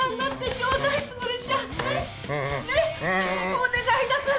お願いだから！